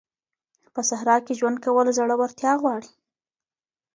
په صحرا کي ژوند کول زړورتيا غواړي.